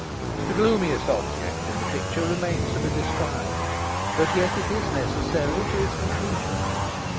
The gloomiest object in the picture remains to be described, but yet it is necessary to its completion.